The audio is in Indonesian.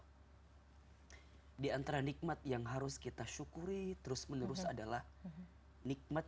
hai diantara nikmat yang harus kita syukuri terus menerus adalah nikmat